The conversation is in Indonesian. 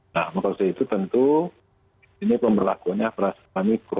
nah maksud saya itu tentu ini pemberlakunya berasal dari mikro